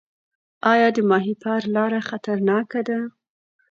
آیا د ماهیپر لاره خطرناکه ده؟